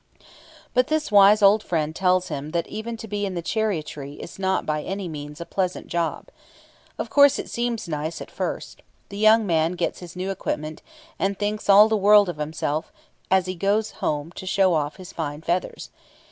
But this wise old friend tells him that even to be in the chariotry is not by any means a pleasant job. Of course it seems very nice at first. The young man gets his new equipment, and thinks all the world of himself as he goes home to show off his fine feathers.